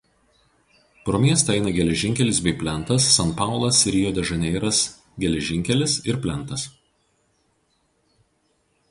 Pro miestą eina geležinkelis bei plentas San Paulas–Rio de Žaneiras geležinkelis ir plentas.